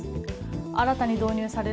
新たに導入される